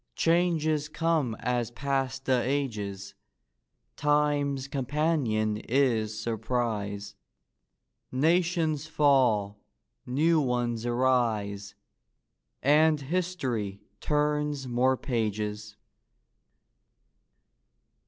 Changes come as pass the ages. Time's companion is surprise; Nations fall; new ones arise; And Hist'ry turns more pages.